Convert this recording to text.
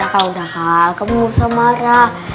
kalau udah hal kamu gak usah marah